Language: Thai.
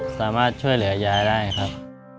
สามารถช่วยเหลือยายได้ครับ